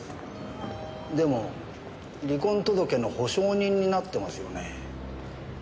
でも離婚届の保証人になってますよね。